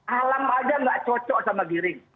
alam aja nggak cocok sama giring